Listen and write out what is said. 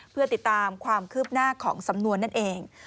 เพื่อติดตามความคืบหน้าของสำนวนนั่นเอง